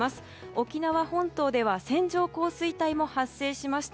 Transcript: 沖縄本島では線状降水帯も発生しました。